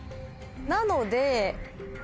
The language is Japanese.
なので。